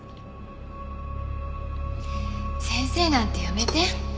先生なんてやめて。